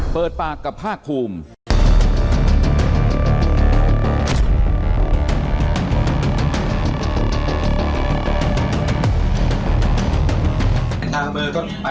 เปิดปากกับภาคภูมิ